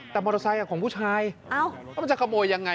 แต่มอเตอร์ไซค์ของผู้ชายแล้วมันจะขโมยยังไง